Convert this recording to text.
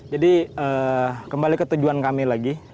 jadi kembali ke tujuan kami lagi